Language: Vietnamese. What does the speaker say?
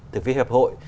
từ phía hiệp hội